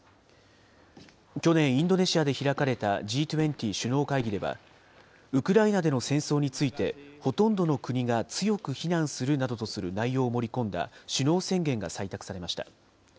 去年、インドネシアで開かれたＧ２０首脳会議では、ウクライナでの戦争についてほとんどの国が強く非難するなどとする内容を盛り込んだ首脳宣言が採択されました。